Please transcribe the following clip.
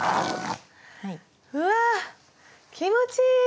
うわ気持ちいい！